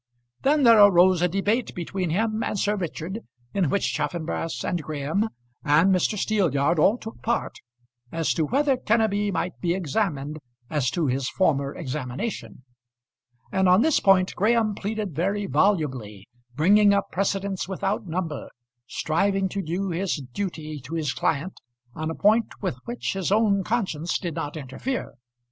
Then there arose a debate between him and Sir Richard, in which Chaffanbrass, and Graham, and Mr. Steelyard all took part, as to whether Kenneby might be examined as to his former examination; and on this point Graham pleaded very volubly, bringing up precedents without number, striving to do his duty to his client on a point with which his own conscience did not interfere.